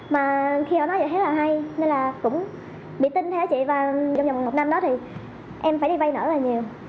mà khi họ nói như thế là hay nên là cũng bị tin theo chị và trong vòng một năm đó thì em phải đi vay nở rất là nhiều